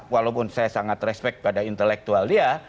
walaupun saya sangat respect pada intelektual dia